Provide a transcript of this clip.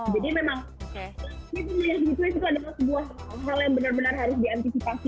jadi memang ini melihatnya seperti itu adalah sebuah hal yang benar benar harus diantisipasi gitu